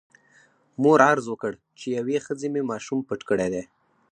مور عرض وکړ چې یوې ښځې مې ماشوم پټ کړی.